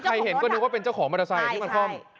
คือใครเห็นก็นึกว่าเป็นเจ้าของมอเตอร์ไซต์